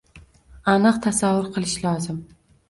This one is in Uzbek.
Aniq tasavvur qilish lozim